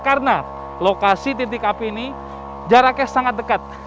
karena lokasi titik api ini jaraknya sangat dekat